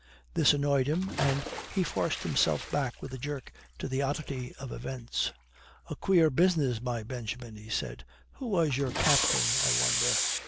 This annoyed him, and he forced himself back with a jerk to the oddity of events. "A queer business, my Benjamin," he said. "Who was your captain, I wonder?"